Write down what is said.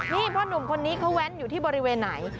นี่พ่อหนุ่มคนนี้เขาแว้นอยู่ที่บริเวณไหน